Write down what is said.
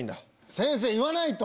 先生言わないと！